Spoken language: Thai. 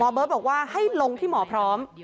เบิร์ตบอกว่าให้ลงที่หมอพร้อม